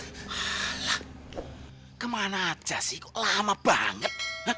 wah kemana aja sih kok lama banget